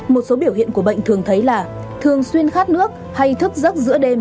một số biểu hiện của bệnh thường thấy là thường xuyên khát nước hay thức giấc giữa đêm